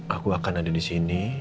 aku akan ada di sini